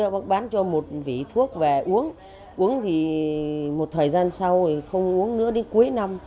bác bán cho một vỉ thuốc và uống thì một thời gian sau thì không uống nữa đến cuối năm